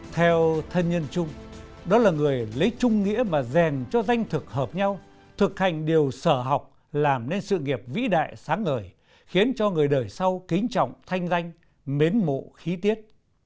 theo thân nhân chung đó là người lấy trung nghĩa mà rèn cho danh thực hợp nhau thực hành điều sở học làm nên sự nghiệp vĩ đại sáng ngời khiến cho người đời sau kính trọng thanh danh mến mộ khí tiết